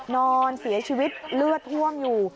นอนเสียชีวิตเลือดท่วมอยู่